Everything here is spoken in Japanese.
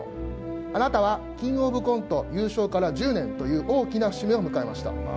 あなたはキングオブコント優勝から１０年という大きな節目を迎えました。